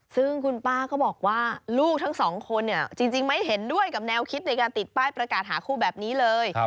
ซึ่งคุณป้าก็บอกว่าลูกทั้งสองคนเนี่ยจริงไม่เห็นด้วยกับแนวคิดในการติดป้ายประกาศหาคู่แบบนี้เลย